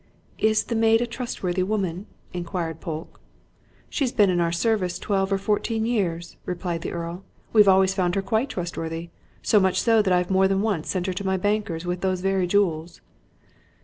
"Is the maid a trustworthy woman?" inquired Polke. "She's been in our service twelve or fourteen years," replied the Earl. "We've always found her quite trustworthy. So much so that I've more than once sent her to my bankers with those very jewels."